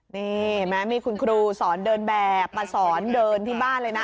นี่แม่มีคุณครูสอนเดินแบบสอนเดินที่บ้านเลยนะ